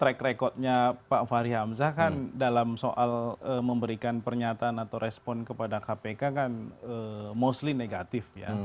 track recordnya pak fahri hamzah kan dalam soal memberikan pernyataan atau respon kepada kpk kan mostly negatif ya